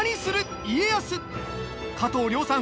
加藤諒さん